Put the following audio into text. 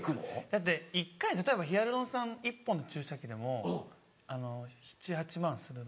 だって１回例えばヒアルロン酸１本注射器でも７８万する。